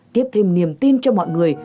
tiếp thêm niềm tin cho mọi người